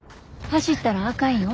走ったらあかんよ。